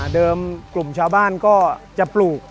กลุ่มชาวบ้านก็จะปลูก